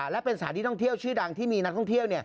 และเป็นสถานที่ท่องเที่ยวชื่อดังที่มีนักท่องเที่ยว